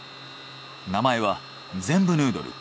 名前はゼンブヌードル。